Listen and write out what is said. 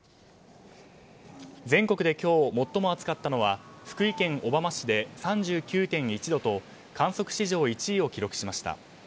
全国で今日最も暑かったのは福井県小浜市で３９．１度と観測史上１位を記録しました。